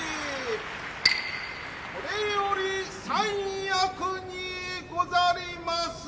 これより三役にござりまする。